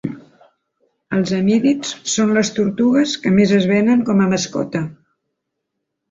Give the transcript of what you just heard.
Els emídids són les tortugues que més es venen com a mascota.